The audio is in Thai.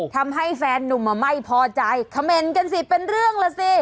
ทำให้แฟนนุ่มไม่พอใจคำเมนต์กันสิเป็นเรื่องล่ะสิ